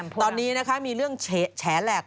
ตอนนี้นะคะมีเรื่องแฉแหลก